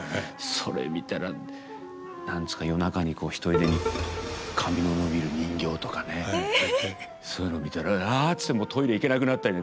それ見たら何ですか夜中にひとりでに髪の伸びる人形とかねそういうの見たら「ああ」ってトイレ行けなくなったり。